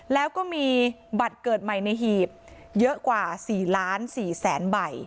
แล้วก็มีบัตรเกิดใหม่ในหีบเยอะกว่า๔๔๐๐๐ใบ